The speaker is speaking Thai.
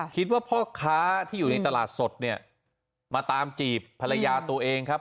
คิดว่าพ่อค้าที่อยู่ในตลาดสดเนี่ยมาตามจีบภรรยาตัวเองครับ